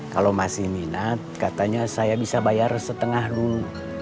kalau masih minat katanya saya bisa bayar setengah dulu